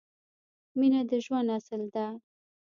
مینه د ژوند اصل ده